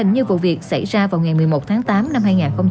như vụ việc xảy ra vào ngày một mươi một tháng tám năm hai nghìn hai mươi ba